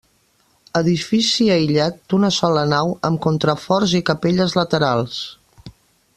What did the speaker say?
Edifici aïllat, d'una sola nau, amb contraforts i capelles laterals.